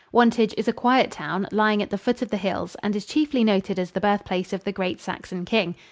Wantage is a quiet town, lying at the foot of the hills, and is chiefly noted as the birthplace of the great Saxon king.